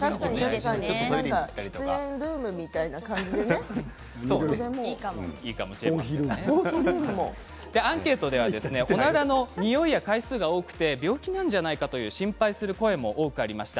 そういう時に席を外せるような環境もアンケートではおならのにおいや回数が多くて病気なんじゃないかと心配する声も多くありました。